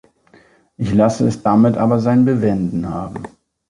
Ich lasse es damit aber sein Bewenden haben.